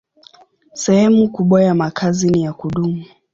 Sehemu kubwa ya makazi ni ya kudumu.